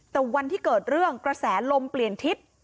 แต่วันที่เกิดเรื่องกระแสลมเปลี่ยนทิศ